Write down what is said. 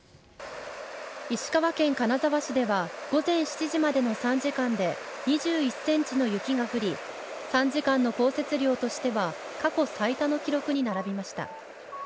石川県金沢市では、午前７時までの３時間で、２１センチの雪が降り、３時間の降雪量としては、過去最多の記録に並びました。